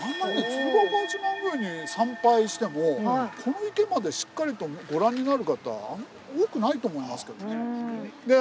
鶴岡八幡宮に参拝してもこの池までしっかりとご覧になる方多くないと思いますけどね。